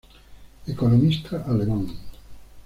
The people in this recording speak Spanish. Economista alemán.